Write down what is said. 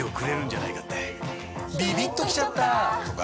ビビッときちゃった！とか